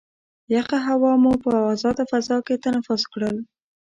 یخه هوا مو په ازاده فضا کې تنفس کړل.